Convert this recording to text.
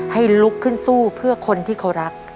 ให้ลุกขึ้นสู้เพื่อคนที่เขารัก